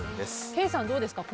ケイさん、どうですか。